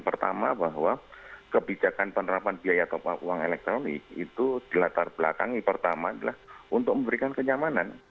pertama bahwa kebijakan penerapan biaya top up uang elektronik itu di latar belakang ini pertama adalah untuk memberikan kenyamanan